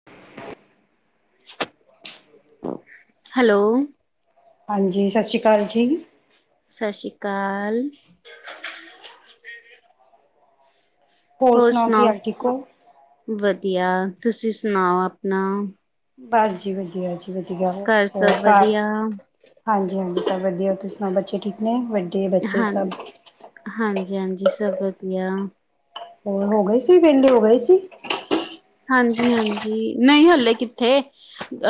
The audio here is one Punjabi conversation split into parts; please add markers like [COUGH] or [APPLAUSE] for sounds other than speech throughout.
[INAUDIBLE] ਹੈਲੋ? ਹਾਂਜੀ। ਸਤਿ ਸ਼੍ਰੀ ਅਕਾਲ ਜੀ। ਸ ਸ਼੍ਰੀ ਕਾਲ। ਹੋਰ ਕੀ ਸੁਣਾਓ, ਹਾਲ ਠੀਕ ਹੋ ਵਧੀਆ। ਤੁਸੀਂ ਸੁਣਾਓ, ਆਪਣਾ? ਬਸ ਜੀ ਵਧੀਆ ਜੀ, ਵਧੀਆ ਘਰ ਹੋਰ ਸਭ ਘਰ ਵਧੀਆ? ਹਾਂਜੀ-ਹਾਂਜੀ ਸਭ ਵਧੀਆ। ਤੁਸੀਂ ਸੁਣਾਓ ਬੱਚੇ ਠੀਕ ਨੇ ਵੱਡੇ, ਬੱਚੇ ਸਭ? ਹਾਂਜੀ-ਹਾਂਜੀ। ਸਭ ਵਧੀਆ। ਹੋਰ, ਹੋ ਗਏ ਸੀ, ਵਿਹਲੇ ਹੋ ਗਏ ਸੀ। ਹਾਂਜੀ-ਹਾਂਜੀ ਨਹੀਂ ਹੱਲੇ ਕਿੱਥੇ,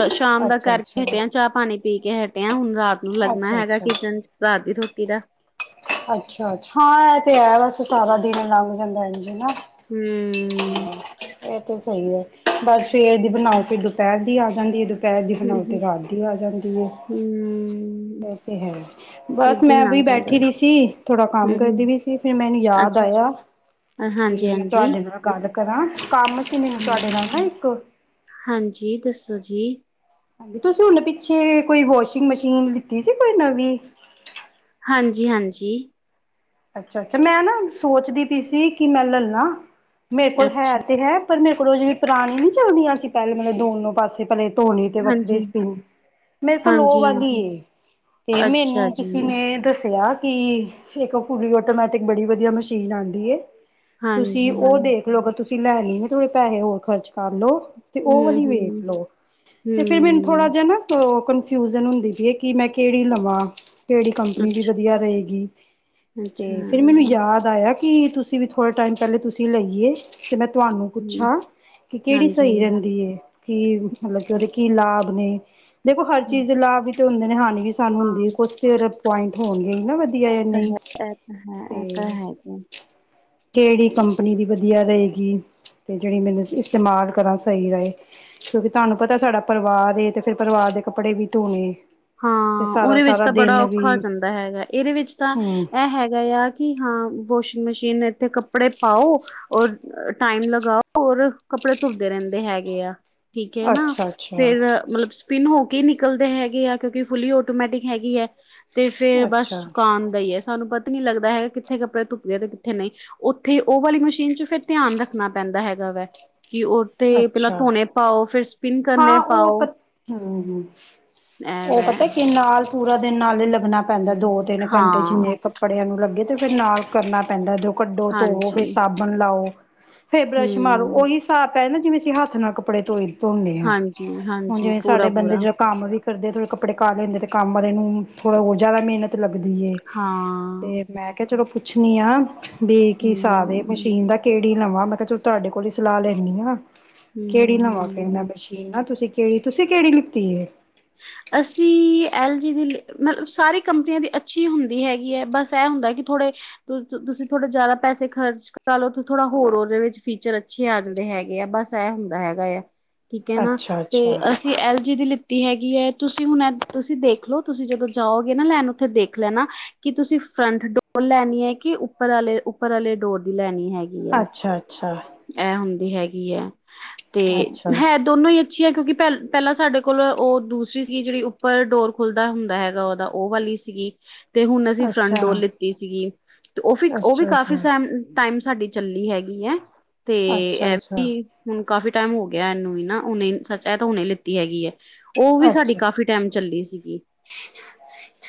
ਅਹ ਸ਼ਾਮ ਦਾ ਅੱਛਾ ਕਰਕੇ ਅੱਛਾ ਹਟਿਆ, ਚਾਹ- ਪਾਣੀ- ਪੀ ਕੇ ਹਟਿਆ। ਹੁਣ ਰਾਤ ਨੂੰ ਲੱਗਣਾ ਅੱਛਾ ਅੱਛਾ ਹੈਗਾ ਕਿਚਨ ਚ, ਰਾਤ ਦੀ ਰੋਟੀ ਦਾ ਅੱਛਾ-ਅੱਛਾ, ਹਾਂ ਇਹ ਤੇ ਹੈ, ਬਸ ਸਾਰਾ ਦਿਨ ਲੰਘ ਜਾਂਦਾ ਜੀ। ਹੂੰ। ਇਹ ਤੇ ਸਹੀ ਏ। ਬਸ ਸਵੇਰ ਦੀ ਬਣਾਓ, ਫੇਰ ਦੁਪਹਿਰ ਦੀ ਆ ਜਾਂਦੀ ਏ, ਦੋਹਪੈਰ ਦੀ ਹੂੰ ਬਣਾਓ, ਤੇ ਹੂੰ ਰਾਤ ਦੀ ਆ ਜਾਂਦੀ ਹੈ। ਹੂੰ, ਇਹ ਤੇ ਹੈ, ਬਸ ਏਦਾਂ ਹੀ ਮੈਂ ਵੀ ਲੰਘ ਜਾਂਦਾ। ਬੈਠੀ ਦੀ ਸੀ, ਥੋੜਾ ਕੰਮ ਹੂੰ ਹੂੰ, ਕਰਦੀ ਪਈ ਸੀ। ਤੇ ਫਿਰ ਮੈਨੂੰ ਯਾਦ ਅੱਛਾ ਅੱਛਾ, ਆਇਆ, ਹਾਂਜੀ ਕਿ ਮੈਂ ਹਾਂਜੀ। ਤੁਹਾਡੇ ਨਾਲ ਗ ਕਰਾਂ, ਕੰਮ ਸੀ ਮੈਨੂੰ ਤੁਹਾਡੇ ਨਾਲ ਨਾ ਇੱਕ ਹਾਂਜੀ, ਦੱਸੋ ਜੀ ਹਾਂਜੀ, ਤੁਸੀਂ ਹੁਣ ਪਿੱਛੇ, ਕੋਈ ਵਾਸ਼ਿੰਗ ਮਸ਼ੀਨ ਲਿੱਤੀ ਸੀ ਕੋਈ ਨਵੀਂ ਹਾਂਜੀ, ਹਾਂਜੀ ਅੱਛਾ, ਅੱਛਾ ਮੈਂ ਨਾ ਸੋਚਦੀ ਪਈ ਸੀ, ਕਿ ਮੈਂ ਲੈਲਾਂ ਮੇਰੇ ਕੋਲ ਅੱਛਾ। ਹੈ ਤੇ ਹੈ ਪਰ ਮੇਰੇਲੋ ਜਿਵੇਂ ਪੁਰਾਣੀ ਨੀ ਚੱਲਦੀਆਂ ਸੀ ਪਹਿਲੇ ਮਤਲਬ ਦੋਨੋ ਪਾਸੇ ਭਲੇ ਧੋਣੀ ਤੇ ਹਾਂਜੀ, ਵੱਖਰੇ ਸਪਿੰਜ, ਮੇਰੇ ਕੋਲ ਉਹ ਹਾਂਜੀ-ਹਾਂਜੀ, ਵਾਲੀ ਤੇ ਅੱਛਾ ਮੈਨੂੰ ਜੀ, ਕਿਸੇ ਨੇ ਦੱਸਿਆ ਕਿ ਇੱਕ ਫੁੱਲੀ ਆਟੋਮੈਟਿਕ ਬੜੀ ਵਧੀਆ ਮਸ਼ੀਨ ਆਉਂਦੀ, ਤੁਸੀਂ ਹਾਂਜੀ। ਉਹ ਦੇਖ ਲ ਅਗਰ ਤੁਸੀਂ ਲੈਣੀ ਥੋੜੇ ਪੈਸੇ ਹੋਰ ਖਰਚ ਕਰ ਲੳ ਤੇ ਉਹ ਵਾਲੀ ਵੇਖ ਹੂੰ-ਹੂੰ, ਲੋ, ਤੇ ਫਿਰ ਮੈਨੂੰ ਥੋੜਾ ਹੂੰ, ਜਿਹਾ ਨਾ ਕਨਫਿਊਜ਼ਨ ਹੁੰਦੀ ਸੀ, ਕਿ ਮੈਂ ਕਿਹੜੀ ਲਵਾਂ, ਕਿਹੜੀ ਕੰਪਨੀ ਦੀ ਵਧੀਆ ਰਹੇਗੀ? ਤੇ ਅੱਛਾ-ਅੱਛਾ, ਫਿਰ ਮੈਨੂੰ ਯਾਦ ਆਇਆ ਕਿ ਤੁਸੀਂ ਵੀ ਥੋੜ੍ਹੇ ਟਾਈਮ ਪਹਿਲੇ ਤੁਸੀਂ ਲਈਏ। ਤੇ ਮੈਂ ਤੁਹਾਨੂੰ ਹੂੰ, ਪੁੱਛਾਂ ਕਿ ਕਿਹੜੀ ਸਹੀ ਹਾਂਜੀ-ਹਾਂਜੀ, ਰਹਿੰਦੀ? ਕਿ ਮਤਲਬ ਕਿ ਉਹਦੇ ਕੀ ਲਾਭ? ਆਪਣੇ, ਦੇਖੋ ਹਰ ਚੀਜ਼ ਲਾਭ ਵੀ ਤੇ ਹੁੰਦੇ ਨੇ, ਹਾਨੀ ਵੀ ਸਾਨੂੰ ਹਾਂ। ਹੁੰਦੀ ਕੁਛ ਤੇ ਉਹਦੇ ਪੁਆਇੰਟ ਹੋਣਗੇ ਹੀ ਨਾ, ਵਧੀਆ ਜਾਂ ਨਹੀਂ ਹਾਂ ਇਹ ਤਾਂ ਤੇ ਹੈ ਹੀ ਐ। ਕਿਹੜੀ ਕੰਪਨੀ ਦੀ ਵਧੀਆ ਰਹੇਗੀ ਤੇ ਜਿਹੜੀ ਮੈਨੂੰ ਇਸਤੇਮਾਲ ਕਰਾਂ ਸਹੀ ਰਹੇ? ਕਿਉਂਕਿ ਤੁਹਾਨੂੰ ਪਤਾ ਸਾਡਾ ਪਰਿਵਾਰ ਏ, ਤੇ ਫਿਰ ਪਰਿਵਾਰ ਦੇ ਕੱਪੜੇ ਵੀ ਧੋਣੇ ਤੇ ਹਾਂ, ਸਾਰਾ ਉਹਦੇ ਵਿੱਚ ਸਾਰਾ ਤਾਂ ਬੜਾ ਦਿਨ ਔਖਾ ਹੋ ਵੀ ਜਾਂਦਾ ਹੈਗਾ, ਇਹਦੇ ਵਿੱਚ ਤਾਂ ਹੂੰ ਇਹ ਹੈਗਾ ਆ। ਕਿ ਹਾਂ, ਵਾਸ਼ਿੰਗ ਮਸ਼ੀਨ ਇੱਥੇ ਕੱਪੜੇ ਪਾਓ ਔਰ ਟਾਈਮ ਲਗਾਓ, ਔਰ ਕੱਪੜੇ ਧੁਬਦੇ ਰਹਿੰਦੇ ਹੈਗੇ ਆ ਠੀਕ ਹੈ ਨਾ, ਅੱਛਾ ਅੱਛਾ ਫੇਰ ਮਤਲਬ ਸਪਿਨ ਹੋ ਕੇ ਹੀ ਨਿਕਲਦੇ ਹੈਗੇ ਆ ਕਿਉਂਕਿ ਫੁੱਲੀ ਆਟੋਮੈਟਿਕ ਹੈਗੀ ਹੈ, ਤੇ ਫੇਰ ਬਸ ਅੱਛਾ ਸੁਕਾਨ ਹੀ ਹੈ ਸਾਨੂੰ ਪਤਾ ਨੀ ਲੱਗਦਾ ਹੈਗਾ ਕਿੱਥੇ ਕੱਪੜੇ ਧੁਪ ਗਏ ਤੇ ਕਿੱਥੇ ਨਹੀਂ ਉੱਥੇ ਉਹ ਵਾਲੀ ਮਸ਼ੀਨ 'ਚ ਫਿਰ ਧਿਆਨ ਰੱਖਣਾ ਪੈਂਦਾ ਹੈਗਾ ਵਾ ਕਿ ਉਹ ਤੇ, ਪਹਿਲਾਂ ਅੱਛਾ ਧੋਣੇ ਪਾਓ ਫਿਰ ਸਪਿਨ ਕਰਨੇ ਹਾਂ ਉਹ ਪਾਓ ਪਤਾ ਹ ਐ ਉਹ ਵੈ ਪਤਾ ਕਿ ਨਾਲ ਪੂਰਾ ਦਿਨ ਨਾਲ ਹੀ ਲੱਗਣਾ ਪੈਂਦਾ, ਦੋ- ਤਿੰਨ ਘੰਟੇ ਹਾਂ ਜਿੰਨੇ ਕੱਪੜਿਆਂ ਨੂੰ ਲੱਗੇ ਤੇ ਫਿਰ ਨਾਲ ਕਰਨਾ ਪੈਂਦਾ ਜ ਕੱਢੋ ਧੋਵੋ ਹਾਂਜੀ, ਫੇਰ ਸਾਬਣ ਲਾਓ ਫਿਰ ਬਰੱਸ਼ ਮਾਰੋ ਹੂੰ, ਉਹੀ ਹਿਸਾਬ ਪੈ ਨਾ, ਜਿਵੇਂ ਅਸੀਂ ਹੱਥ ਨਾਲ ਕੱਪੜੇ ਧੋਈ ਧੋਦੇ ਹੁਣ ਹਾਂਜੀ-ਹਾਂਜੀ, ਜਿਵੇਂ ਸਾਡੇ ਪੂਰਾ-ਪੂਰਾ ਬੰਦੇ ਜ ਕੰਮ ਵੀ ਕਰਦੇ ਥੋੜ੍ਹੇ ਕੱਪੜੇ ਕਾਲੇ ਹੁੰਦੇ ਤੇ ਕੰਮ ਵਾਲੇ ਨੂੰ ਥੋੜ੍ਹਾ ਹੋਰ ਜ਼ਿਆਦਾ ਮਿਹਨਤ ਲੱਗਦੀ ਹੈ ਹਾਂ ਮੈਂ ਕਿਹਾ ਚਲੋ ਪੁੱਛਣੀ ਆ, ਵੀ ਕਿ ਹਿਸਾਬ ਹੂੰ, ਮਸ਼ੀਨ ਦਾ ਕਿਹੜੀ ਲਵਾਂ ਮੈਂ ਕਿਹਾ ਚਲੋ ਤੁਹਾਡੇ ਕੋਲ ਹੀ ਸਲਾਹ ਲੈਂਦੀ ਆਂ ਹੂੰ-ਹੂੰ, ਕਿਹੜੀ ਲਵਾਂ ਹੂੰ। ਇੰਨਾ ਹੂੰ ਮਸ਼ੀਨ ਆ ਤੁਸੀਂ ਕਿਹੜੀ ਤੁਸੀਂ ਕਿਹੜੀ ਲਿੱਤੀ ਹੈ ਅਸੀ ਐਲ ਜੀ ਦੀ ਮਤਲਬ ਸਾਰੀ ਕੰਪਨੀਆਂ ਦੀ ਅੱਛੀ ਹੁੰਦੀ ਹੈਗੀ ਹੈ ਬਸ ਐ ਹੁੰਦਾ ਕਿ ਥੋੜੇ, ਤੁਸੀਂ ਥੋੜੇ ਜ਼ਿਆਦਾ ਪੈਸੇ ਖਰਚ ਕੱਲ ਉਥ ਥੋੜਾ ਹੋਰ ਉਹਦੇ ਵਿੱਚ ਫੀਚਰ ਅੱਛੇ ਆ ਜਾਂਦੇ ਹੈਗੇ ਆ ਬਸ ਇਹ ਹੁੰਦਾ ਹੈਗਾ ਆ ਠੀਕ ਹੈ ਨਾ, ਤੇ ਅੱਛਾ-ਅੱਛਾ, ਅਸੀਂ ਐਲ ਜੀ ਦੀ ਲ ਲਿੱਤੀ ਹੈਗੀ ਹੈ ਤੁਸੀਂ ਹੁਣ ਤੁਸੀਂ ਦੇਖ ਲਓ ਤੁਸੀਂ ਜਦੋਂ ਜਾਓਗੇ ਨਾ ਲੈਣ, ਉੱਥੇ ਦੇਖ ਲੈਣਾ ਕਿ ਤੁਸੀਂ ਫਰੰਟ ਡੋਰ ਲੈਣੀ ਹੈ, ਕਿ ਉੱਪਰ ਵਾਲੇ ਉੱਪਰ ਵਾਲੇ ਡੋਰ ਦੀ ਲੈਣੀ ਹੈਗੀ ਆ ਅੱਛਾ, ਅੱਛਾ ਇਹ ਹੁੰਦੀ ਹੈਗੀ ਹੈ, ਤੇ ਅੱਛਾ। ਅੱਛਾ, ਹੈ ਦੋਨੋਂ ਹੀ ਅੱਛੀਆਂ ਕਿਉਂਕਿ ਪਹਿਲ ਪਹਿਲਾਂ ਸਾਡੇ ਕੋਲ ਉਹ ਦੂਸਰੀ ਸੀਗੀ ਜਿਹੜੀ ਉੱਪਰ ਡੋਰ ਖੁੱਲਦਾ ਹੁੰਦਾ ਹੈਗਾ ਉਹ ਉਹ ਵਾਲੀ ਸੀਗੀ ਤੇ ਹੁਣ ਅਸੀਂ ਫਰੰਟ ਡੋਰ ਲਿੱਤੀ ਸੀਗੀ, ਤੇ ਉਹ ਵੀ, ਉਹ ਵੀ ਕਾਫੀ ਅੱਛਾ-ਅੱਛਾ, ਸਹਿਮ ਟਾਈਮ ਸਾਡੀ ਚੱਲੀ ਹੈਗੀ ਹੈ ਤੇ, ਅੱਛਾ-ਅੱਛਾ, ਅੱਛਾ। ਅੱਛਾ ਅੱਛਾ ਇਹ ਅੱਛਾ ਵੀ ਹੁਣ ਕਾਫ਼ੀ ਟਾਈਮ ਹੋ ਗਿਆ, ਇਹਨੂੰ ਵੀ ਨਾ, ਉਹਨੇ ਸੱਚ ਇਹ ਤਾਂ ਹੁਣੇ ਲਿੱਤੀ ਹੈਗੀ ਹੈ, ਉਹ ਵੀ ਸਾਡੀ ਅੱਛਾ ਕਾਫ਼ੀ ਟਾਈਮ, ਚੱਲੀ ਸੀਗੀ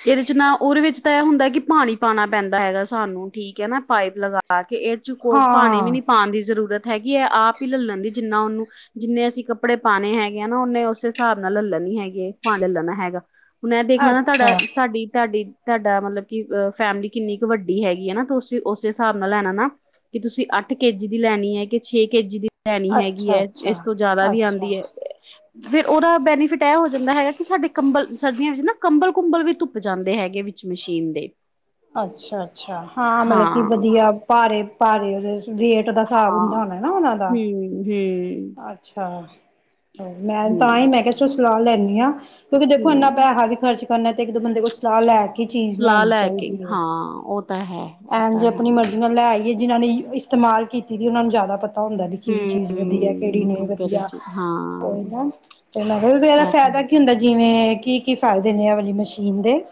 ਇਹਦੇ ਚ ਨਾ, ਉਹਦੇ ਵਿੱਚ ਤਾਂ ਇਹ ਹੁੰਦਾ, ਕਿ ਪਾਣੀ ਪਾਉਣਾ ਪੈਂਦਾ ਹੈਗਾ ਸਾਨੂੰ, ਠੀਕ ਹੈ, ਨਾ ਪਾਈਪ ਲਗਾ। ਕੇ ਇਹਦੇ ਵਿੱਚ ਕੋ ਪਾਣੀ ਵੀ ਹਾਂ, ਨੀ ਪਾਉਣ ਦੀ ਜ਼ਰੂਰਤ ਹੈਗੀ ਹੈ। ਆਪ ਹੀ ਲੱਲਣ ਦੀ ਜਿੰਨਾ, ਉਹਨੂੰ ਜਿੰਨੇ ਅਸੀਂ ਕੱਪੜੇ ਪਾਉਣੇ ਹੈਗੇ ਆ ਨਾ, ਉਹਨੇ ਉਸੇ ਹਿਸਾਬ ਨਾਲ ਲੈ ਲੈਣੀੀ ਹੈਗੇ, ਪਾਣੀ ਲੈਣਾ ਹੈਗਾ। ਮੈਂ, ਦੇਖ ਲਨਾ ਤੁਹਾਡਾ ਅੱਛਾ, ਤੁਹਾਡੀ ਤੁਹਾਡੀ। ਤੁਹਾਡਾ ਮਤਲਬ, ਕਿ ਫੈਮਿਲੀ ਕਿੰਨੀ ਕੁ ਵੱਡੀ ਹੈਗੀ ਹੈ ਨਾ। ਉਸੇ ਹਿਸਾਬ ਨਾਲ ਲੈਣਾ ਨਾ, ਕਿ ਤੁਸੀਂ, ਅੱਠ ਕੇ ਜੀ ਦੀ ਲੈਣੀ ਹੈ। ਕਿ ਛੇ ਕੇ ਜੀ ਦੀ। ਲੈਣੀ ਹੈਗੀ ਅੱਛਾ-ਅੱਛਾ, ਹੈ, ਇਸ ਅੱਛਾ। ਤੋਂ ਜ਼ਿਆਦਾ ਵੀ ਅੱਛਾ ਆਉਂਦੀ ਹੈ। ਫੇਿਰ ਉਹਦਾ, ਬੈਨੀਫਿਟ ਇਹ ਹੋ ਜਾਂਦਾ ਹੈਗਾ, ਕਿ ਸਾਡੇ ਕੰਬਲ ਸਰਦੀਆਂ ਵਿੱਚ ਨਾ ਕੰਬਲ ਕੁੰਬਲ ਵੀ ਧੁੱਪ ਜਾਂਦੇ ਹੈਗੇ ਮਸ਼ੀਨ ਦੇ ਅੱਛਾ ਅੱਛਾ, ਹਾਂ ਮਤਲਬ ਕਿ ਵਧੀਆ ਭਾਰੇ ਭਾਰੇ ਉਹਦੇ ਵੇ ਹਾਂ [UNINTELLIGIBLE] ਹਮ ਹਮ ਅੱਛਾ [UNINTELLIGIBLE] ਮੈਂ ਤਾਂ ਹੀ ਹੂੰ ਮੈਂ ਕਿਹਾ ਚੋ ਸਲਾਹ ਲੈਂਦੀ ਹਾਂ ਕਿਉਂਕਿ ਦੇਖੋ ਇੰਨਾ ਹੂੰ ਪੈਸਾ ਵੀ ਖਰਚ ਕਰਨਾ, ਤੇ ਇੱਕ ਦ ਬੰਦੇ ਕੋਲ ਸਲਾਹ ਲੈ ਕੇ ਚੀਜ਼ ਸਲਾਹ ਲੈਣੀ ਲੈ ਕੇ ਚਾਹੀਦੀ ਹੈ ਹਾਂ ਉਹ ਤਾ ਹੈ ਉਹ ਐਨ ਜੇ ਤਾਂ ਹੈ ਆਪਣੀ ਮਰਜ਼ੀ ਨਾਲ ਲੈ ਆਈਏ, ਜਿਨਾਂ ਨੇ ਇਸਤੇਮਾਲ ਕੀਤੀ ਸੀ ਉਹਨਾਂ ਨੂੰ ਜ਼ਿਆਦਾ ਪਤਾ ਪਤਾ ਹੁੰਦਾ ਵੀ ਕਿਹੜੀ ਹੂੰ ਚੀਜ਼ ਵਧੀਆ, ਕਿਹੜੀ ਹੂੰ ਨਹੀਂ ਹਾਂ ਕਰੇ ਵਧੀਆ ਜੀ ਹਾਂ ਕੋਈ ਨਾ, ਤੇ ਮਤਲਬ ਇਹਦਾ ਇਹ ਤਾਂ ਫਾਇਦਾ ਕੀ ਹੁੰਦਾ ਜਿਵੇਂ ਕਿ ਫਏਦੇ ਨੇ ਇਹ ਵਾਲੀ ਮਸ਼ੀਨ ਦੇ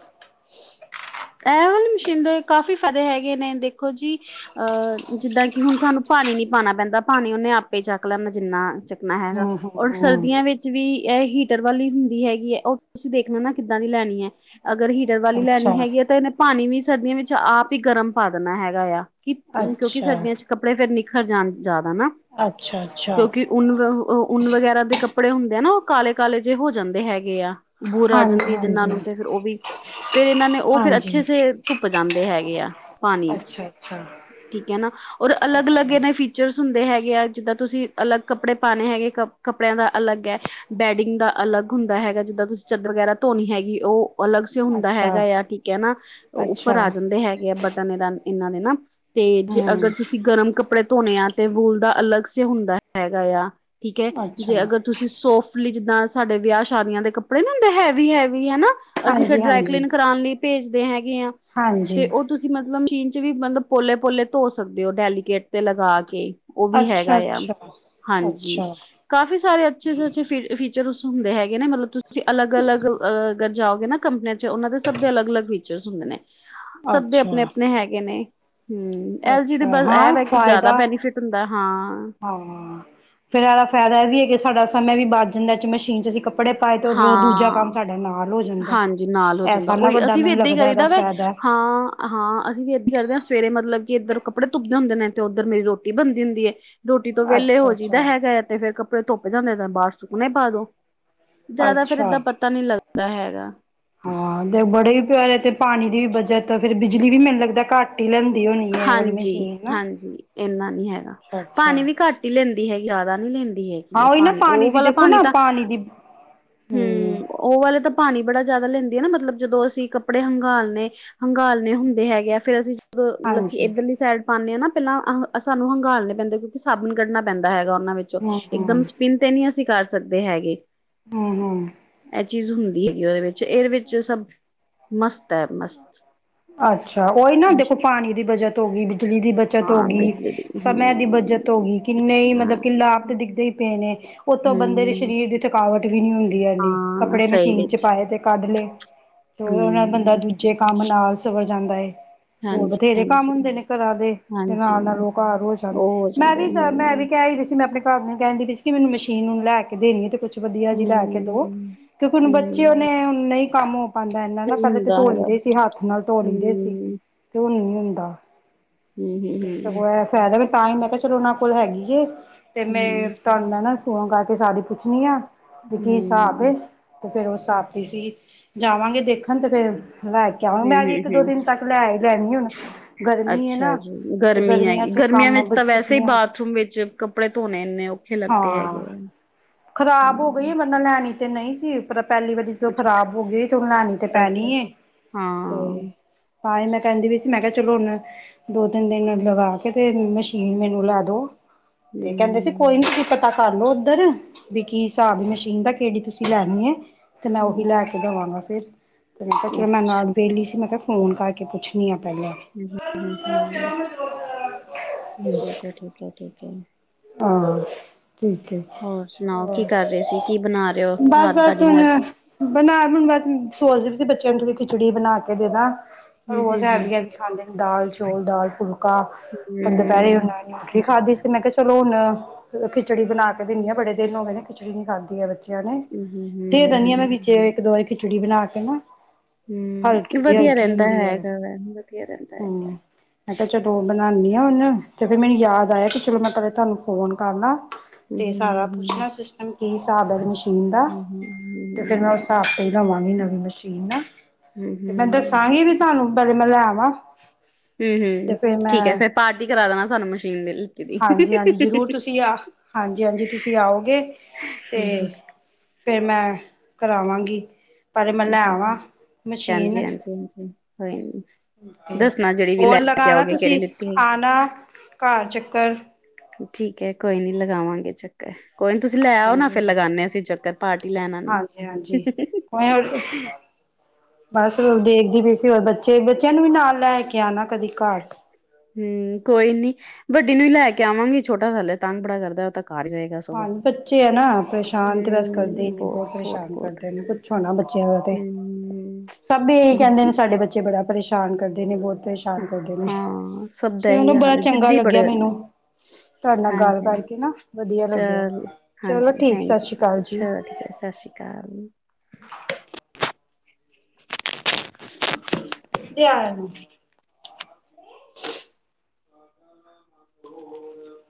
ਇਹ ਵਾਲ ਮਸ਼ੀਨਦੇ ਕਾਫੀ ਫਦੇ ਹੈਗੇ ਨੇ, ਦੇਖੋ ਜੀ ਅਹ ਜਿੱਦਾਂ, ਕਿ ਹੁਣ ਸਾਨੂੰ ਪਾਣੀ ਨੀ ਪਾਉਣਾ ਪੈਂਦਾ ਪਾਣੀ, ਉਹਨੇ ਆਪੇ ਚੱਕ ਲੈਂਦਾ ਜਿੰਨਾ। ਹੈਗਾ, ਔਰ ਹੂੰ-ਹੂੰ-ਹੂੰ ਸਰਦੀਆਂ ਵਿੱਚ। ਵੀ ਇਹ ਹੀਟਰ ਵਾਲੀ ਹੁੰਦੀ ਹੈਗੀ ਹੈ। ਉਹ ਤੁਸੀਂ ਦੇਖਣਾ ਨਾ ਕਿੱਦਾਂ ਦੀ ਲੈਣੀ ਹੈ, ਅਗਰ ਹੀਟਰ ਵਾਲੀ ਲੈਣੀ ਹੈਗੀ ਆ, ਤਾਂ ਇਹਨੇ ਪਾਣੀ ਵੀ ਸਰਦੀਆਂ, ਵਿੱਚ ਆਪ ਹੀ ਗਰਮ ਪਾ ਦੇਣਾ ਹੈਗਾ ਆ। ਕਿ ਕਿਉਂਕਿ, ਅੱਛਾ-ਅੱਛਾ ਸਰਦੀਆਂ ਚ ਕੱਪੜੇ, ਫਿਰ ਨਿਖਰ ਜਾਣ ਜ਼ਿਆਦਾ ਨਾ। ਅੱਛਾ, ਅੱਛਾ ਉੱਨ ਉਨ ਵਗੈਰਾ ਦੇ ਕੱਪੜੇ ਹੁੰਦੇ ਆ ਨਾ, ਉਹ ਕਾਲੇ ਕਾਲੇ ਜਿਹੇ ਹੋ ਜਾਂਦੇ ਹੈਗੇ ਆ। ਬੂਰ ਆ ਹਾਂਜੀ ਜਾਂਦੀ ਹੈ, ਜਿੰਨ੍ਹਾਂ ਹਾਂਜੀ ਨੂੰ ਤੇ ਫਿਰ ਉਹ ਵੀ, ਫੇਿਰ ਇਹਨਾਂ ਨੇ ਉਹ ਫਿਰ। ਅੱਛੇ ਹਾਂਜੀ ਧੁੱਪ ਜਾਂਦੇ ਹੈਗੇ ਆ। ਪਾਣੀ ਵਿੱਚ, ਅੱਛਾ ਅੱਛਾ ਠੀਕ ਹੈ, ਨਾ ਔਰ ਅਲੱਗ ਅਲੱਗ, ਅੱਛਾ ਇਹਨੇ ਫੀਚਰ ਚਰਸ ਹੁੰਦੇ ਹੈਗੇ ਆ ਜਿੱਦਾਂ, ਤੁਸੀਂ ਅਲੱਗ ਕੱਪੜੇ ਪਾਉਣੇ ਹੈਗੇ ਕੱਪੜਿਆਂ ਦਾ ਅਲੱਗ ਹੈ। ਬੈਡਿੰਗ ਦਾ ਅਲੱਗ ਹੁੰਦਾ ਹੈਗਾ ਜਿੱਦਾਂ, ਤੁਸੀਂ ਚੱਦਰ ਵਗੈਰਾ ਧੋਣੀ ਹੈਗੀ, ਉਹ ਅਲੱਗ ਸ ਹੁੰਦਾ ਅੱਛਾ ਹੈਗਾ ਆ ਠੀਕ ਹੈ ਨਾ, ਉੱਪਰ ਅੱਛਾ ਆ ਜਾਂਦੇ ਹੈਗੇ ਆ, ਬਟਨ ਇਹਦਾ ਇਹਨਾਂ ਦੇ ਨਾ। ਤੇ ਜੇ ਹਮ ਅਗਰ, ਤੁਸੀਂ ਗਰਮ ਕੱਪੜੇ ਧੋਣੇ ਆ, ਤੇ ਵੂਲ ਦਾ ਅਲੱਗ ਸ ਹੁੰਦਾ ਹੈਗਾ ਆ‌। ਠੀਕ ਹੈ, ਅੱਛਾ ਜੇ ਅਗਰ ਤੁਸੀਂ ਸੋਫਟਲੀ, ਜਿੱਦਾਂ ਸਾਡੇ ਵਿਆਹ ਸ਼ਾਦੀਆਂ ਦੇ ਕੱਪੜੇ ਨਾ ਹੁੰਦੇ ਹੈਵੀ ਹੈਵੀ ਹਨਾ। ਅਸੀਂ ਫੇਿਰ ਹਾਂਜੀ ਹਾਂਜੀ ਡਰਾਇਕਲੀਨ ਕਰਾਉਣ ਲਈ ਭੇਜਦੇ ਹੈਗੇ ਆ। ਹਾਂਜੀ ਤੇ ਉਹ ਤੁਸੀਂ ਮਤਲਬ ਮਸ਼ੀਨ। ਵੀ ਮਤਲਬ, ਪੋਲੇ ਪੋਲੇ ਧੋ ਸਕਦੇ ਹੋ, ਡੈਲੀਕੇਟ ਤੇ ਲਗਾ ਕੇ, ਉਹ ਵੀ ਹੈਗਾ ਅੱਛਾ ਆ, ਅੱਛਾ ਹਾਂਜੀ, ਅੱਛਾ ਕਾਫੀ ਸਾਰੇ ਅੱਛੇ ਅੱਛੇ ਫ ਫੀਚਰਸ ਹੁੰਦੇ ਹੈਗੇ ਨੇ ਮਤਲਬ, ਤੁਸੀਂ ਅਲੱਗ ਅਲੱਗ ਅਗਰ ਜਾਓਗੇ, ਨਾ ਕੰਪਨੀਆਂ ਚ ਉਹਨਾਂ ਦੇ। ਸਭ ਦੇ ਅਲੱਗ ਅਲੱਗ ਫੀਚਰਸ ਹੁੰਦੇ ਨੇ, ਸਭ ਦੇ ਆਪਣੇ ਅੱਛਾ ਆਪਣੇ ਹੈਗੇ ਨੇ। ਹਮ ਐਲ ਜੀ ਦੇ, ਅੱਛਾ ਬਸ ਇਹ ਹਾਂ ਵ ਕਿ ਜ਼ਿਆਦਾ ਫਾਇਦਾ ਬੈਨੀਫਿਟ ਹੁੰਦਾ ਹਾਂ। ਹਾਂ, ਫੇਿਰ, ਇਹਦਾ ਫਾਇਦਾ ਇਹ ਵੀ ਹੈ, ਕਿ ਸਾਡਾ ਸਮੇਂ ਵੀ ਬਚ ਜਾਂਦਾ ਚ ਮਸ਼ੀਨ ਚ ਅਸੀਂੱ। ਕੱਪੜੇ ਪਾਏ ਤੇ ਦੂਜਾ ਕੰਮ ਹਾਂ। ਸਾਡੇ ਨਾਲ ਹੋ ਜਾਂਦਾ, ਹਾਂਜੀ ਨਾਲ ਹੋ ਐ ਜਾਂਦਾ ਸਾਰੇ ਨਾਲ ਉਹੀ ਵੱਡਾ ਅਸੀਂ ਵੀ ਮੈਨੂੰ ਏਦਾਂ ਹੀ ਲੱਗਦਾ ਇਹਦਾ ਕਰੀਦਾ ਵੈ ਫਾਇਦਾ। ਹਾਂ, ਹਾਂ, ਅਸੀਂ ਵੀ ਇਏਦਦੀ ਕਰਦੇ ਹਾਂ ਸਵੇਰੇ ਮਤਲਬ, ਕਿ ਇੱਧਰ ਕੱਪੜੇ ਧੁਪਦੇ ਹੁੰਦੇ ਨੇ, ਤੇ ਉੱਧਰ ਮੇਰੀ ਰੋਟੀ ਬਣਦੀ ਹੁੰਦੀ ਹੈ। ਰੋਟੀ ਤੋਂ ਵਹਲੇ ਅੱਛਾ ਹੋ ਜਿਦਾ ਅੱਛਾ ਹੈਗਾ, ਤੇ ਫੇਰ ਕੱਪੜੇ ਧੁੱਪ ਜਾਂਦੇ ਤਾਂ ਬਾਹਰ ਸੁੱਕਣੇ ਪਾ ਦੋ। ਜ਼ਿਆਦਾ ਫੇਰ ਅੱਛਾ ਏਦਾਂ ਪਤਾ ਨਹੀਂ ਲੱਗਦਾ ਹੈਗਾ। ਹਾਂ ਤੇ ਬੜੇ ਵੀ ਪਿਆਰੇ ਤੇ ਪਾਣੀ ਦੀ ਵੀ ਬਚਤਏ, ਫੇਰ ਬਿਜਲੀ ਵੀ ਮੈਨੂੰ ਲੱਗਦਾ ਘੱਟ ਹੀ ਲੈਂਦੀ ਹੋਣੀ। ਹੈ ਇਹ ਵਾਲੀ ਹਾਂਜੀ, ਮਸ਼ੀਨ ਨਾ ਹਾਂਜੀ ਇੰਨਾ ਨੀ ਹੈਗਾ, ਅੱਛਾ ਅੱਛਾ ਪਾਣੀ ਵੀ ਘੱਟ। ਲੈਂਦੀ ਹੈਗੀ, ਜ਼ਿਆਦਾ ਨਹੀਂ ਲੈਂਦੀ ਹੈਗੀ ਹਾਂ ਹੈ ਉਹੀ ਨਾ ਪਾਣੀ, ਉਹ ਦੀ ਵਾਲਾ ਦੇਖੋ ਪਾਣੀ ਨਾ ਤਾਂ ਦੀ ਹੂ, ਹਮ ਉਹ ਵਾਲੇ ਤਾਂ ਪਾਣੀ ਬੜਾ ਜਿਆਦਾ ਲੈਂਦੀ ਆ ਨਾ, ਮਤਲਬ ਜਦੋਂ ਅਸੀਂ ਕੱਪੜੇ ਹੰਗਾਲ ਨੇ। ਹੰਗਾਲੇ ਹੁੰਦੇ ਹੈਗੇ ਆ, ਫੇਰ ਅਸੀਂ ਜਦੋਂ ਮਤਲਬ ਕਿ ਹਾਂਜੀ ਇੱਧਰਲੀ ਸਾਈਡ। ਪਾਉਂਦੇ ਹਾਂ ਨਾ ਪਹਿਲਾਂ ਅਹ ਸਾਨੂੰ ਹੰਘਾਲੇ ਪੈਂਦੇ, ਕਿਉਂਕਿ ਸਾਬਣ ਕੱਢਣਾ ਪੈਂਦਾ ਹੈਗਾ ਉਹਨਾਂ ਵਿੱਚੋਂ, ਹਮ ਹਮ ਇੱਕਦਮ ਸਪਿਨ। ਤੇ ਨਹੀਂ ਅਸੀਂ ਕਰ ਸਕਦੇ ਹੈਗੇ। ਹੂ ਹੂ ਇਹ ਚੀਜ਼ ਹੁੰਦੀ ਹੈਗੀ ਉਹਦੇ ਵਿੱਚ, ਇਹਦੇ ਵਿੱਚ ਸਭ ਮਸਤ ਹੈ ਮਸਤ। ਅੱਛਾ, ਉਹੀ ਨਾ ਦੇਖੋ ਪਾਣੀ ਦੀ ਬੱਚਤ ਹੋ ਗਈ ਬਿਜਲੀ ਦੀ ਬੱਚਤ ਹੋ ਹਾਂ ਗਈ। ਬਿਜਲੀ ਦੀ ਸਮਯ ਦੀ ਹੂੰ ਬੱਚਤ ਹੋ ਗਈ, ਕਿੰਨੇ ਹੀ ਹਾਂ ਮਤਲਬ, ਕਿ ਲਾਭ ਤੇ ਦਿਖਦੇ ਹੀ ਪਏ ਨੇ, ਉਤੋਂ ਬੰਦੇ ਦੇ ਹੂੰ ਸਰੀਰ ਦੇ। ਥਕਾਵਟ ਵੀ ਨੀ ਹੁੰਦੀ ਹੈ, ਇਨੀ ਹਾਂ ਕੱਪੜੇ ਸਹੀ ਮਸ਼ੀਨ ਚ ਵਿੱਚ ਪਾਏ, ਤੇ ਕੱਢ ਲਏ ਤੇ, ਉਹ ਨਾਲ ਬੰਦਾ ਹੂੰ ਦੂਜ। ਜੇ ਕੰਮ, ਨਾਲ ਸਵਰ ਜਾਂਦਾ ਹੈ। ਹੋਰ ਹਾਂਜੀ ਬਥੇਰੇ ਕੰਮ ਹਾਂਜੀ ਹੁੰਦੇ ਨੇ ਘਰਾਂ ਦੇ ਹਾਂਜੀ ਨਾਲ ਨਾਲ, ਉਹੋ ਘਰ ਹੋ ਜਾਂਦੇ। ਉਹ ਹੋ ਮੈਂ ਜਾਂਦੇ ਵੀ, ਆ, ਮੈਂ ਹੂੰ ਵੀ ਕਹਿ ਹੀ ਰੀ ਸੀ, ਮੈਂ ਆਪਣੇ ਭਾਭੀ ਨੂੰ ਕਹਿੰਦੀ ਵੀਈ ਸੀ, ਕਿ ਮੈਨੂੰ ਮਸ਼ੀਨ ਨੂੰ ਲੈ ਕੇ ਦੇਣੀ ਹੈ, ਤੇ ਕੁਛ ਵਧੀਆ ਜੀ ਲੈ ਕੇ ਦੋ। ਹੂੰ, ਕਿਉਂਕਿ, ਹੁਣ ਬੱਚੇ, ਉਹ ਹੂੰ, ਨੇ ਨਹੀਂ ਕੰਮ ਹੋ ਪਾਉਂਦਾ, ਇਨਾ ਨਾ ਸਹੀ ਪਹਿਲੇਾਂ। ਹੁੰਦਾ ਧੋ ਹੈਗਾ। ਲੀਦੇ ਸੀ, ਹੱਥ ਨਾਲ਼ ਧੋ ਲੀਦੇ ਸੀ। ਹੂੰ, ਧੋ ਨੀ ਹੁੰਦਾ, ਹੂੰ, ਹੂੰ, ਤੇ ਹੂੰ, ਹੂੰ, ਸਗੋਂ ਐ ਫਾਇਦਾ ਵੀ ਤਾਂ ਹੀ, ਮੈਂ ਕਿਹਾ ਚਲੋ ਉਹਨਾਂ ਕੋਲ ਹੈਗੀ ਐ, ਤੇ ਮੈਂ ਹੂੰ। ਤੁਹਾਨੂੰ ਮੈਂ, ਨਾ ਫੋਨ ਕਰਕੇ ਸਾਰੀ ਪੁੱਛਣੀ ਆ, ਵੀ, ਕੀ ਹਿਸਾਬ ਏ ਹੂੰ, ਤੇ ਫਿਰ ਉਸ ਆਪਦੀ ਸੀ, ਜਾਵਾਂਗੇ ਦੇਖਣ, ਤੇ ਫਿਰ ਲੈ ਕਿ ਮੈਂ ਵੀ ਹੂੰ, ਇੱਕ ਦੋ ਹੂੰ, ਦਿਨ ਤੱਕ ਲੈ ਹੀ ਲੈਣੀ, ਹੁਣ ਗਰਮੀ ਹੈ ਅੱਛਾ ਨਾ, ਜੀ, ਤੇ ਗਰਮੀ ਗਰਮੀਆਂ ਹੈਗੀ ਚ ਗਰਮੀਆਂ ਕੰਮ। ਵਿੱਚ ਤਾਂ ਵੈਸੇ ਹੀ ਛੁੱਟੀਆਂ ਬਾਥਰੂਮ ਵਿੱਚ ਕੱਪੜੇ ਧੋਣੇ, ਇੰਨੇ ਔਖੇ ਲੱਗਦੇ ਹੈਗੇ ਹੈ। ਖਰਾਬ ਹੋ ਗਈ ਹੈ। ਮੈਂ ਲੈਣੀ ਤੇ ਨਹੀਂ ਸੀ, ਪਰ ਪਹਿਲੀ ਵਾਰੀ ਜਦੋਂ ਖਰਾਬ ਹੋ ਗਈ, ਤੇ ਲੈ ਨੀ ਤੇ ਅੱਛਾ, ਪੈਣੀ ਹ। ਅੱਛਾ, ਹਾਂ ਤੇ, ਤਾਂ ਹੀ ਮੈਂ ਕਹਿੰਦੀ ਪਈ ਸੀ, ਮੈਂ ਕਿਹਾ ਚਲੋ ਹੁਣ। ਦੋ, ਤਿੰਨ ਦਿਨ ਲਗਾ ਕੇ ਤੇ ਮਸ਼ੀਨ ਮੈਨੂੰ ਲੈ ਦੋ। ਤੇ ਕਹਿੰਦੇ ਸੀ ਕੋਈ ਹੂੰ, ਨਹੀਂ ਪਤਾ ਕਰਲੋ ਉੱਧਰ, ਵੀ ਕੀ ਹਿਸਾਬ ਮਸ਼ੀਨ ਦਾ, ਕਿਹੜੀ ਤੁਸੀਂ। ਲੈਣੀ ਹੈ, ਤੇ ਮੈਂ ਉਹੀ ਲੈ ਹੂੰ, ਕੇ ਦੇਵਾਂਗਾ ਫੇਰ, ਤੇ ਮੈਂ ਕਿਹਾ ਫੇਰ ਹੂੰ, ਮੈਂ ਨਾਲ। ਵੇਹਲੀ ਸੀ, ਮੈਂ ਕਿਹਾ ਫੋਨ ਕਰਕੇ ਪੁੱਛਣੀ ਹਾਂ ਪਹਿਲੇ। ਹ, ਹੂ ਹੂ ਹੂ ਠੀਕ ਹੈ, ਠੀਕ ਹੈ, ਠੀਕ ਹੈ। ਹਾਂ ਠੀਕ ਹੈ। ਹੋਰ, ਸੁਣਾਓ ਕੀ ਕਰ ਰਹੇ ਸੀ? ਕੀ ਬਣਾ ਰਹੇ ਹੋ ਬਸ ਰਾਤ ਦਾ ਬਸ ਹੁਣ ਡਿਨਰ। ਬਣਾ ਹੁਣ ਬਸ ਸੋਚ ਰਹੀ ਸੀ, ਵੀ ਬੱਚਿਆਂ ਨੂੰ ਥੋੜੀ ਖਿਚੜੀ ਬਣਾ ਕੇ ਦੇ ਦਾਂ ਹੂੰ, ਰੋਜ਼ ਹੂੰ, ਹੂੰ, ਹੈਵੀ, ਹੈਵੀ। ਖਾਂਦੇ ਨੇ ਦਾਲ ਚੋਲ, ਦਾਲ, ਫੁਲਕਾ ਹੂੰ, ਦੁਪਹਿਰੇ ਉਹਨਾਂ ਨਿਊਟਰੀ ਖਾਦੀ, ਤੇ ਮੈਂ ਕਿਹਾ ਚਲੋ ਹੁਣ ਖਿਚੜੀ ਬਣਾ ਕੇ ਦਿਨੀ ਆ, ਬੜੇ ਦਿਨ ਹੋ ਗਏ ਨੇ ਖਿਚੜੀ ਨਹੀਂ ਖਾਂਦੀ। ਹੂੰ, ਹੂੰ, ਦੇ ਹੂੰ, ਦਿਨੀ ਆ ਮੈਂ ਹੂੰ। ਵਿੱਚ ਇੱਕ ਦੋ, ਵਾਰੀ ਖਿਚੜੀ ਬਣਾ ਕੇ ਨਾ। ਹਮ, ਹਲਕੀ ਦੀ ਵਧੀਆ ਹਲਕੀ ਰਹਿੰਦਾ ਹੁੰਦੀ ਹੈ ਹੈਗਾ ਵਾ, ਵਧੀਆ ਰਹਿੰਦਾ ਹੂੰ। ਹੈਗਾ। ਮੈਂ ਕਿਹਾ ਚਲੋ ਬਨਾਨੀ ਹ ਹੁਣ, ਤੇ ਫਿਰ ਮੈਨੂੰ ਯਾਦ ਆਇਆ ਕਿ ਚਲੋ ਮੈਂ ਪਹਿਲੇ ਤੁਹਾਨੂੰ ਫੋਨ ਕਰ ਲਾ। ਤੇ ਸਾਰਾ ਹੂੰ-ਹੂੰ-ਹੂੰ-ਹੂੰ, ਪੁੱਛਣਾ ਸਿਸਟਮ ਕੀ ਹਿਸਾਬ ਤੇ ਸਾਰਾ ਮਸ਼ੀਨ ਦਾ, ਤੇ ਫਿਰ ਮੈਂ ਉਸ ਹੂੰ-ਹੂੰ। ਹਿਸਾਬ ਤੇ ਹੀ ਲਵਾਂਗੀ ਨਵੀਂ ਮਸ਼ੀਨ। ਹੂ ਤੇ ਹੂ ਮੈਂ ਹੂ ਦੱਸਾਂਗੀ ਵੀ ਤੁਹਾਨੂੰ ਪਹਿਲੇ ਮੈਂ ਲੈ ਆਵਾਂ। ਹੂ ਤੇ ਹੂ, ਫੇਰ ਮੈਂ ਠੀਕ ਹੈ ਫੇਿਰ ਪਾਰਟੀ ਕਰਾ ਦੇਣਾ ਸਾਨੂੰ ਮਸ਼ੀਨ ਦੀ। ਦੀ। ਹਾਂਜੀ, ਹਾਂਜੀ ਜ਼ਰੂਰ ਤੁਸੀਂ ਆ ਹਾਂਜੀ, ਹਾਂਜੀ ਤੁਸੀਂ ਆਓਗੇ ਤੇ। ਹੂੰ-ਹੂੰ, ਫਿਰ ਮੈਂ ਕਰਾਵਾਂਗੀ, ਪਹਿਲੇ ਮੈਂ ਲੈ ਆਵਾਂ। ਭੈਣ ਜੀ, ਮਸ਼ੀਨ ਹਾਂਜੀ-ਹਾਂਜੀ-ਹਾਂਜੀ, ਕੋਈ ਨੀ। ਤੇ ਦੱਸਣਾ ਜਿਹੜੀ ਵੀ ਲੈ ਹੋਰ ਕੇ ਲਗਾਣਾ ਆਓਗੇ ਕਿਹੜੀ ਤੁਸੀਂ, ਲਿੱਤੀ ਹੈਗੀ। ਆਣਾ ਘਰ ਚੱਕਰ। ਠੀਕ ਐ ਕੋਈ ਨੀ ਲਗਾਵਾਂਗੇ ਚੱਕਰ, ਕੋਈ ਨੀ ਤੁਸੀਂ ਲੈ ਆਓ, ਨਾ ਹਾਂਜੀ ਫਿਰ ਜੀ ਲਗਾਂਨੇ ਆਂ ਅਸੀਂ ਚੱਕਰ। ਪਾਰਟੀ ਲੈਣ ਆਣਾ ਹਾਂਜੀ ਹਾਂਜੀ ਕੋਈ ਬਸ ਦੇਖਦੀ ਪਈ ਸੀ, ਹੋਰ ਬੱਚੇ ਬੱਚਿਆਂ ਨੂੰ ਵੀ ਨਾਲ ਲੈ ਕੇ ਆਣਾ, ਕਦੀ ਘਰ। ਹੂੰ, ਕੋਈ ਨੀ ਵੱਡੀ ਨੂੰ ਹੀ ਲੈ ਕੇ ਆਵਾਂਗੀ, ਛੋਟਾ ਹਲੇ ਤੰਗ ਬੜਾ ਕਰਦਾ, ਉਹ ਤਾਂ ਘਰ ਰਹੇ। ਹਾਂਜੀ, ਬੱਚੇ ਆ ਨਾ ਪਰੇਸ਼ਾਨ ਤੇ ਬਸ ਕਰਦੇ ਹੀ ਨੇ, ਬਹੁਤ ਪਰੇਸ਼ਾਨ ਕਰਦੇ ਨੇ। ਛੋਣਾ ਬੱਚਿਆਂ ਦਾ ਤੇ, ਸਭ ਇਹੀ ਕਹਿੰਦੇ ਨੇ ਸਾਡੇ ਬੱਚੇ ਬੱਚੇ ਬੜਾ ਪਰੇਸ਼ਾਨ ਕਰਦੇ ਨੇ, ਬਹੁ ਪਰੇਸ਼ਾਨ ਦਾਨ ਕਰਦੇ ਨੇ, ਦਾ ਚਲੋ ਇਹੀ ਬੜਾ ਹਾਲ ਹੈ ਚੰਗਾ ਜਿੱਦੀ ਲੱਗਿਆ ਬੜੇ ਹੁੰਦੇ ਮੈਨੂੰ। ਨੇ ਤੁਹਾਡੇ ਨਾਲ ਗੱਲ ਹਾਂਜੀ ਹਾਂਜੀ, ਕਰਕੇ ਨਾ ਵਧੀਆ ਲੱਗਿਆ, ਚਲ ਚਲੋ ਹਾਂਜੀ ਠੀਕ ਥੈਂਕ ਯੂ ਸਸ ਰੀ ਕਾਲ ਜੀ। ਚਲੋ ਠੀਕ ਐ, ਸਸ਼ ਰੀ ਕਾਲ। ਤਿਆਰ ਹੋ [INAUDIBLE]